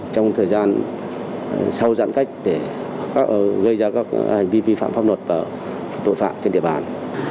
trong thời gian sau giãn cách để gây ra các hành vi vi phạm pháp luật và tội phạm trên địa bàn